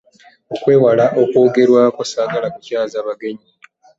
Okwewala okwogerwako ssaagala kukyaza bagenyi.